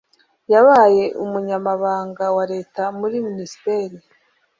Yabaye umunyamabanga wa leta muri minisiteri